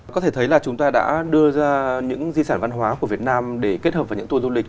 có thể thấy là chúng ta đã đưa ra những di sản văn hóa của việt nam để kết hợp vào những tour du lịch